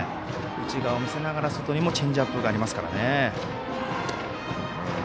内を見せながら外にもチェンジアップがあります。